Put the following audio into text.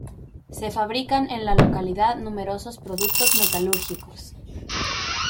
Se fabrican en la localidad numerosos productos metalúrgicos.